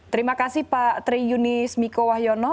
terima kasih pak tri yunis miko wahyono